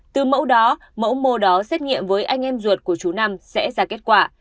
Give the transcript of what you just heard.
từ mẫu đó mẫu mô đó xét nghiệm với anh em ruột của chú năm sẽ ra kết quả